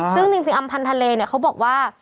ซึ่งจริงอำพันธ์ทะเลเนี่ยเขาบอกว่า